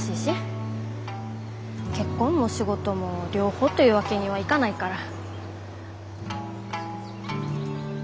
結婚も仕事も両方というわけにはいかないから。